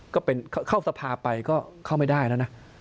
เข้าสภาไปก็เข้าไม่ได้แล้วนะ